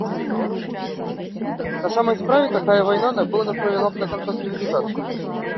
На самай справе, такая вайна, напэўна, прывяла б да канца цывілізацыі.